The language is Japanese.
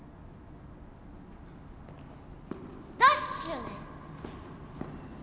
ダッシュね。